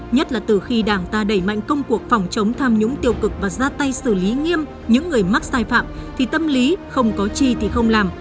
nhất là từ khi đảng ta đẩy mạnh công cuộc phòng chống tham nhũng tiêu cực và ra tay xử lý nghiêm những người mắc sai phạm thì tâm lý không có chi thì không làm